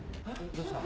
どうした？